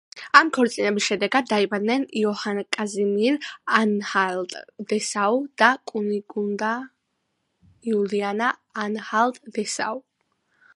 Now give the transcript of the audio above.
ამ ქორწინების შედეგად დაიბადნენ იოჰან კაზიმირ ანჰალტ-დესაუ და კუნიგუნდა იულიანა ანჰალტ-დესაუ.